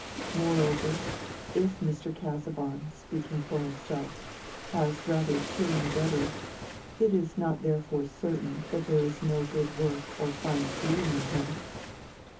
Moreover, if Mr. Casaubon, speaking for himself, has rather a chilling rhetoric, it is not therefore certain that there is no good work or fine feeling in him.